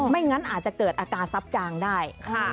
ไม่งั้นอาจจะเกิดอาการทรัพย์จางได้